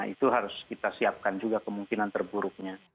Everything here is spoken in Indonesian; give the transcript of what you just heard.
itu harus kita siapkan juga kemungkinan terburuknya